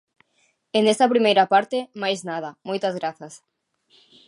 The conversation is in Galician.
E nesta primeira parte, máis nada, moitas grazas.